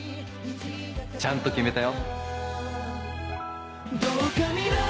ちゃんと決めたよ。